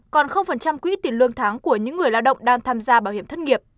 còn quỹ tiền lương tháng của những người lao động đang tham gia bảo hiểm thất nghiệp